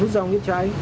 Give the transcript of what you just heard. nút giao nghiết trái